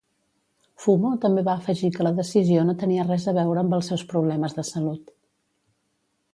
Fumo també va afegir que la decisió no tenia res a veure amb els seus problemes de salut.